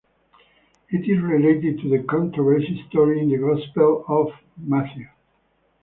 It is related to the controversy stories in the Gospel of Matthew.